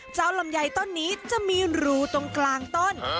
ลำไยต้นนี้จะมีรูตรงกลางต้น